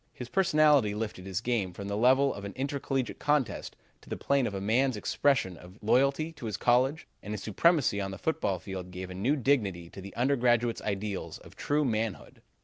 His personality lifted his game from the level of an intercollegiate contest to the plane of a man's expression of loyalty to his college, and his supremacy on the football field gave a new dignity to the undergraduate's ideals of true manhood.